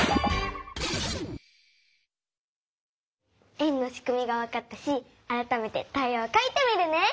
円のしくみがわかったしあらためてタイヤをかいてみるね！